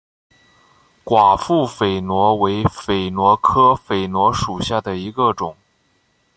寡妇榧螺为榧螺科榧螺属下的一个种。